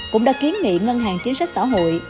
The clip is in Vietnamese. cũng đã kiến nghị ngân hàng chính sách xã hội